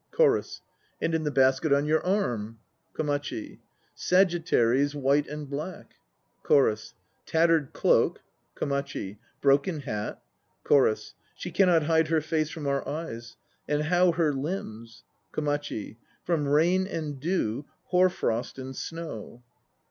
CHORUS. And in the basket on your arm? KOMACHI. Sagittaries white and black. CHORUS. Tattered cloak, 1 KOMACHI. Broken hat ... CHORUS. She cannot hide her face from our eyes; And how her limbs KOMACHI. From rain and dew, hoar frost and snow?